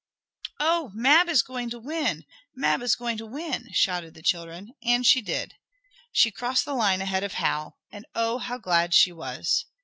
"Oh, Mab is going to win! Mab is going to win!" shouted the children. And she did. She crossed the line ahead of Hal. And Oh! how glad she was.